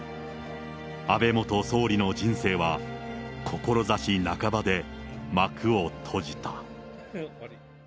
安倍元総理の人生は、志半ばで幕を閉じた。